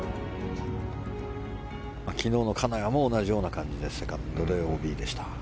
昨日の金谷も同じような感じでセカンドでＯＢでした。